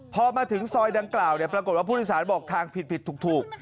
พอมาถึงซอยดังกล่าวปรากฏว่าผู้โดยสารบอกทางผิดถูก